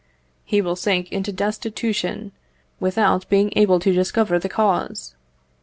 He will sink into destitution without being able to discover the cause.